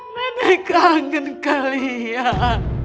nenek kangen kalian